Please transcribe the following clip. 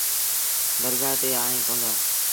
درگآه تي آئي ڪوئيٚتآ۔